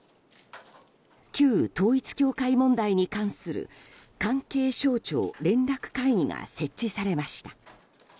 旧統一教会問題に関する関係省庁連絡会議が設置されました。